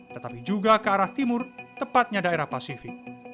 tetapi juga ke arah timur tepatnya daerah pasifik